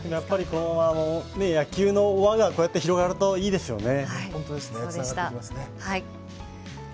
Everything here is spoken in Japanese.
野球の輪が広がるといいですよね。